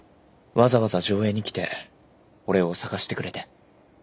わざわざ条映に来て俺を捜してくれて。